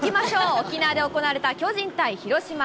沖縄で行われた巨人対広島。